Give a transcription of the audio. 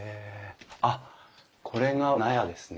あっこれが納屋ですね。